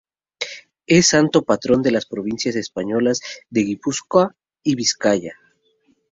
Es santo patrón de las provincias españolas de Guipúzcoa y Vizcaya.